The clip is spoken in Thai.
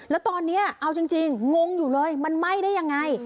แล้วตอนนี้เอาจริงงงอยู่เลยมันไหม้ได้ยังไง